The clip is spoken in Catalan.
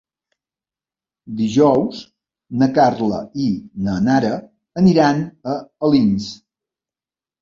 Dijous na Carla i na Nara aniran a Alins.